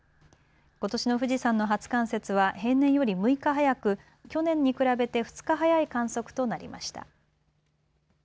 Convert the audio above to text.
ことしの富士山の初冠雪は平年より６日早く、去年に比べて２日早い観測となりました。